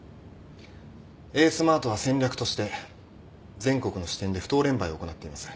エースマートは戦略として全国の支店で不当廉売を行っています。